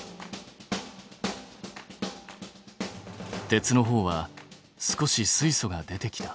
鉄のほうは少し水素が出てきた。